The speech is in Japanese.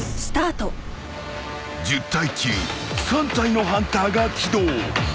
［１０体中３体のハンターが起動］